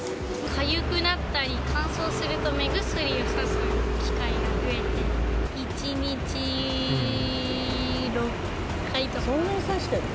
かゆくなったり、乾燥すると目薬をさす機会が増えて、そんなにさしてるの？